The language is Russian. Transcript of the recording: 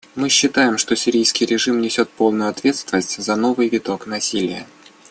Мы считаем, что сирийский режим несет полную ответственность за новый виток насилия.